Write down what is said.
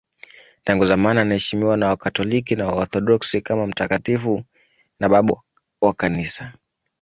Tangu zamani anaheshimiwa na Wakatoliki na Waorthodoksi kama mtakatifu na babu wa Kanisa.